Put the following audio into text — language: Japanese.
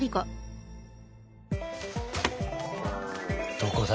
どこだ？